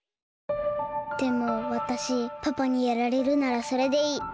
でもわたしパパにやられるならそれでいい。